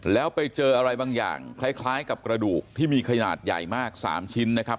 แล้วไปเจออะไรบางอย่างคล้ายกับกระดูกที่มีขนาดใหญ่มาก๓ชิ้นนะครับ